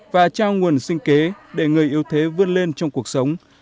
và trao nguồn sinh kế để người yêu thế vươn lên trong cuộc sống